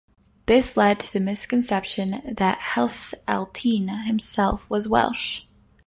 This led to the misconception that Heseltine himself was Welsh.